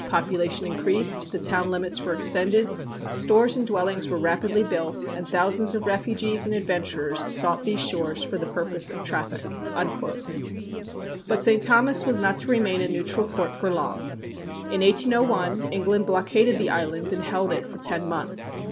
Population increased, the town limits were extended, stores and dwellings were rapidly built, and thousands of refugees and adventurers sought these shores for the purpose of traffic." But St. Thomas was not to remain a neutral port for long. In 1801, England blockaded the island and held it for ten months.